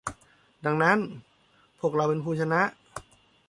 ดังนั้น พวกเราเป็นผู้ชนะ